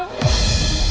udah tulus sih